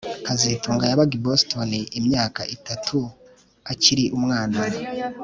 kazitunga yabaga i Boston imyaka itatu akiri umwana